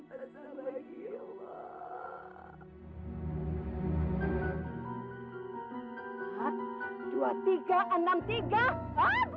kamu juga menjemah suami saya enggak ada perjanjian itu